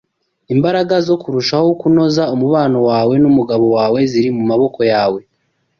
Imbaraga zo kurushaho kunoza umubano wawe numugabo wawe ziri mumaboko yawe